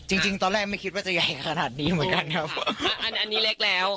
จริงจริงตอนแรกไม่คิดว่าจะใหญ่ขนาดนี้เหมือนกันครับอันนี้เล็กแล้ว